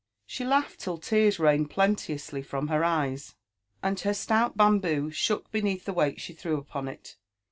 She laughed till tears rained plenteously from her eye$, and her stout bamboo shook beneath the weight she threw upon it.